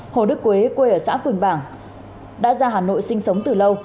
hồ đức quế quê ở xã phường bảng đã ra hà nội sinh sống từ lâu